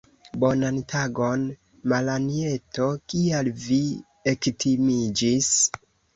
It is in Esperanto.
Bonan tagon, Malanjeto, kial vi ektimiĝis?